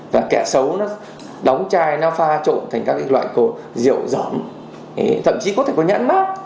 và kẻ xấu đóng chai pha trộn thành các loại cồn rượu rẩm thậm chí có thể có nhãn mát